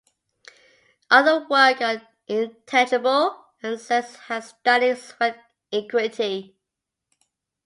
Other work on intangible assets has studied sweat equity.